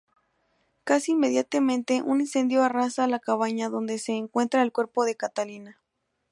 Casi inmediatamente un incendio arrasa la cabaña donde se encuentra el cuerpo de Catalina.